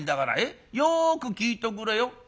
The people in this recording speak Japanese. よく聞いとくれよ。